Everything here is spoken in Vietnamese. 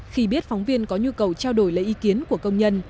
khi biết phóng viên có nhu cầu trao đổi lấy ý kiến của công nhân